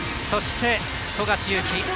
そして富樫勇樹。